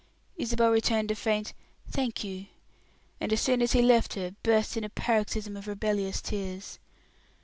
Isabel returned a faint "Thank you" and as soon as he left her, burst into a paroxysm of rebellious tears.